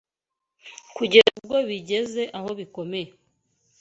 kugeza ubwo bigeze aho bikomeye